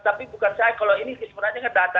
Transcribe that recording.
tapi bukan saya kalau ini sebenarnya kan data